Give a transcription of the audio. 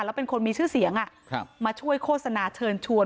แล้วเป็นคนมีชื่อเสียงมาช่วยโฆษณาเชิญชวน